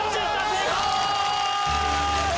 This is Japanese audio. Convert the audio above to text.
成功！